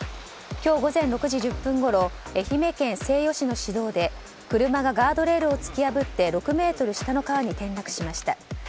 今日午前６時１０分ごろ愛媛県西予市の市道で車がガードレールを突き破って６ｍ下の川に転落しました。